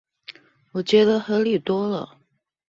我覺得合理多了